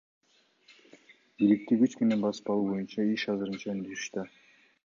Бийликти күч менен басып алуу боюнча иш азырынча өндүрүштө.